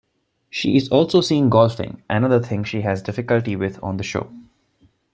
She is also seen golfing, another thing she has difficulty with on the show.